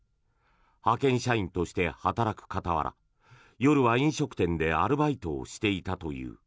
派遣社員として働く傍ら夜は飲食店でアルバイトをしていたという。